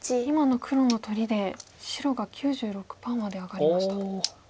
今の黒の取りで白が９６％まで上がりました。